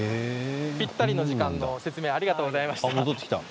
ぴったりの説明ありがとうございました。